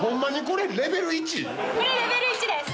これレベル１です。